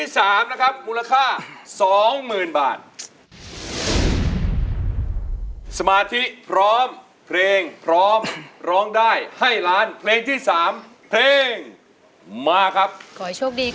สมาธิพร้อมเพลงพร้อมร้องได้ให้ร้านเพลงที่๓เพลงมาครับขอโชคดีค่ะ